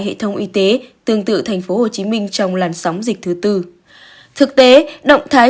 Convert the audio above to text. hệ thống y tế tương tự thành phố hồ chí minh trong làn sóng dịch thứ tư thực tế động thái